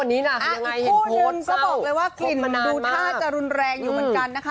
อีกคู่นึงจะบอกเลยว่ากลิ่นมันดูท่าจะรุนแรงอยู่เหมือนกันนะคะ